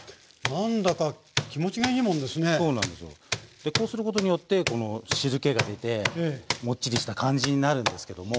でこうすることによってこの汁けが出てもっちりした感じになるんですけども。